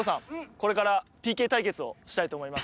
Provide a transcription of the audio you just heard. これからＰＫたいけつをしたいとおもいます。